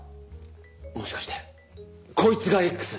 もしかしてこいつがＸ？